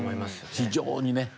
非常にね。